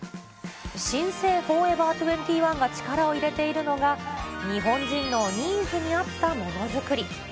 新生フォーエバー２１が力を入れているのが、日本人のニーズに合ったものづくり。